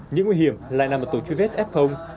những nguy hiểm lại nằm ở tổ truy vết f